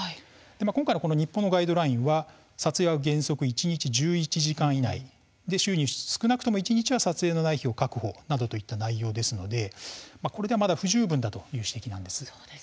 今回の日本のガイドラインは撮影は原則一日１１時間以内週に少なくとも一日は撮影のない日を確保などといった内容ですのでこれでは、まだ不十分だという指摘なんです。